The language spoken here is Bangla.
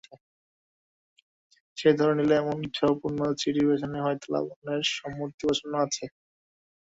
সে ধরে নিলে, এমন উৎসাহপূর্ণ চিঠির পিছনে হয়তো লাবণ্যর সম্মতি প্রচ্ছন্ন আছে।